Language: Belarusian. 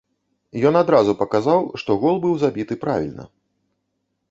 Ён адразу паказаў, што гол быў забіты правільна.